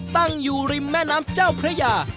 ตั้งอยู่ริมแม่น้ำเจ้าพระยา